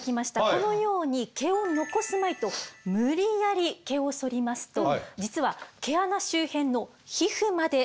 このように毛を残すまいと無理やり毛をそりますと実は毛穴周辺の皮膚まで傷つけてしまうんです。